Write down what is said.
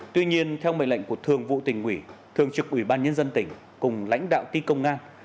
tuy nhiên theo mệnh lệnh của thường vụ tỉnh ủy thường trực ủy ban nhân dân tỉnh cùng lãnh đạo ti công an